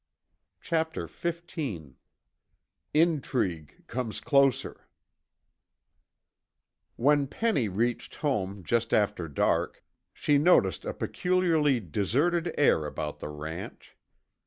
Chapter XV INTRIGUE COMES CLOSER When Penny reached home just after dark, she noticed a peculiarly deserted air about the ranch.